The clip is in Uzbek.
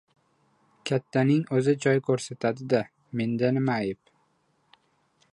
"Kattaning o‘zi joy ko‘rsatdi-da, menda nima ayb".